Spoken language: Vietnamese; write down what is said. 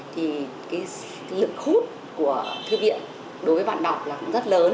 thì cái lực hút của thư viện đối với bạn đọc là cũng rất lớn